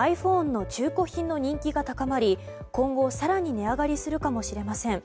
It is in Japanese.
ｉＰｈｏｎｅの中古品の人気が高まり今後、更に値上がりするかもしれません。